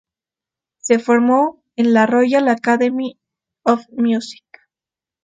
Se formó en la Royal Academy of Music.